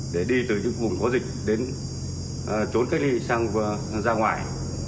để đi từ những vùng có dịch đến trốn cách ly sang ngoài